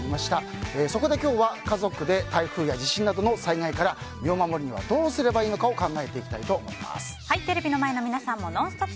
そこで今日は家族で台風や地震などの災害から身を守るにはどうしたらいいかテレビの前の皆さんもＮＯＮＳＴＯＰ！